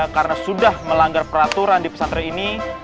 karena sudah melanggar peraturan di pesantren ini